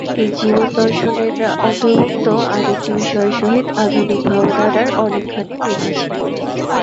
এই জীবন-দর্শনের অন্তর্ভুক্ত আর একটি বিষয়ের সহিত আধুনিক ভাবধারার অনেকখানি মিল আছে।